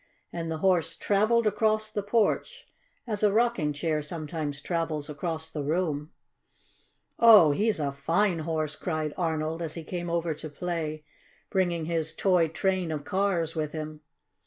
And the Horse traveled across the porch, as a rocking chair sometimes travels across the room. "Oh, he's a fine Horse!" cried Arnold, as he came over to play, bringing his toy train of cars with him.